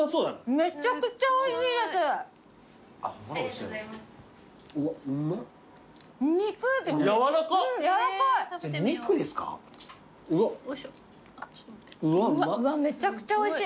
めちゃくちゃおいしい。